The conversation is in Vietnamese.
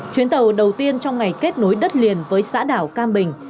chuyến tàu đầu tiên trong ngày kết nối đất liền với xã đảo cam bình